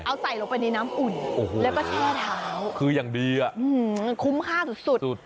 เอาใส่ลงไปในน้ำอุ่นแล้วก็แช่เท้าคืออย่างดีอ่ะมันคุ้มค่าสุดสุด